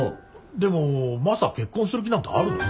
でもマサ結婚する気なんてあるの？